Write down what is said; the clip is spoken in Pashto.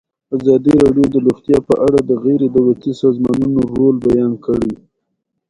ازادي راډیو د روغتیا په اړه د غیر دولتي سازمانونو رول بیان کړی.